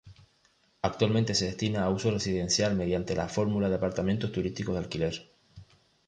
Actualmente se destina a uso residencial mediante la fórmula de apartamentos turísticos de alquiler.